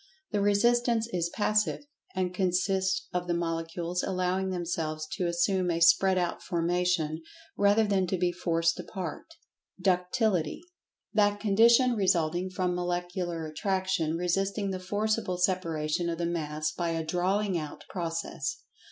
The resistance is "passive," and consists of the Molecules allowing themselves to assume a spread out formation, rather than to be forced apart. Ductility: That condition resulting from Molecular Attraction resisting the forcible separation of the Mass by a "drawing out" process.